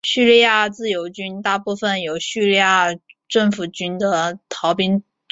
叙利亚自由军大部分由叙政府军的逃兵组成。